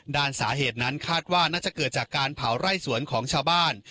ด้านสาเหตุนั้นคาดว่าน่าจะเกิดจากการเผาไร่สวนของชาวบ้าน